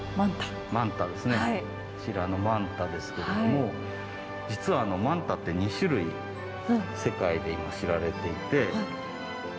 こちらのマンタですけども実はマンタって２種類世界で知られていて。